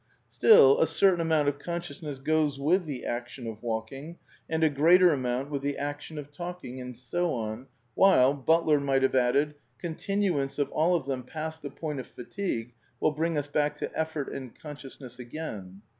Still, a certain amount of consciousness goes with the action of walking, and a greater amount with the action of talking, and so on, while (Butler might have added) con tinuance of all of them past the point of fatigue will bring us back to effort and consciousness again.